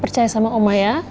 percaya sama oma ya